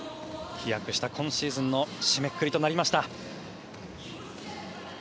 飛躍した今シーズンの締めくくりとなりました。